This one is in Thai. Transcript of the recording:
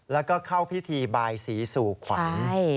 แล้วก็เข้าพิธีบายสีสู่ขวัญ